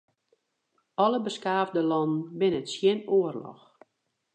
Alle beskaafde lannen binne tsjin oarloch.